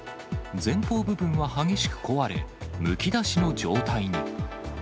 前方部分は激しく壊れ、むき出しの状態に。